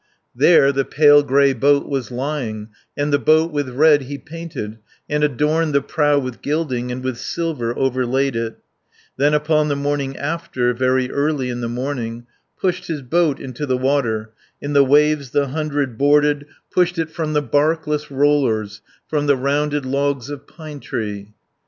There the pale grey boat was lying, And the boat with red he painted, 10 And adorned the prow with gilding, And with silver overlaid it; Then upon the morning after, Very early in the morning, Pushed his boat into the water, In the waves the hundred boarded, Pushed it from the barkless rollers, From the rounded logs of pine tree.